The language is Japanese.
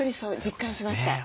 実感しました。